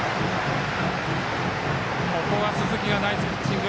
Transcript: ここは鈴木がナイスピッチング。